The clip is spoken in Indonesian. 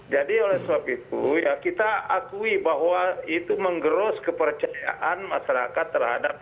jadi oleh suap itu ya kita akui bahwa itu mengeros kepercayaan masyarakat terhadap kita